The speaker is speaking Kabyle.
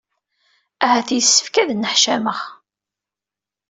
Ahat yessefk ad nneḥcameɣ.